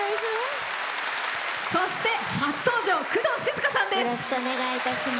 そして、初登場工藤静香さんです。